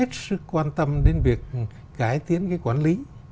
chúng ta rất quan tâm đến việc cải tiến cái quản lý